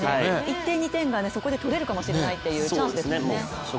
１点、２点がそこでとれるかもしれないチャンスですもんね。